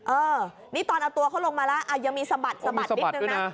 เออนี่ตอนเอาตัวเขาลงมาแล้วยังมีสะบัดสะบัดนิดนึงนะ